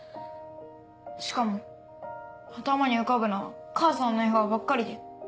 しかも頭に浮かぶのは母さんの笑顔ばっかりで。